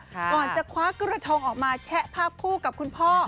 ก่อนจะคว้ากระทงออกมาแชะภาพคู่กับคุณพ่อ